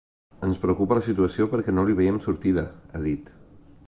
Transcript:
Ens preocupa la situació perquè no li veiem sortida, ha dit.